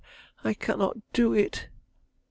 I cannot do it."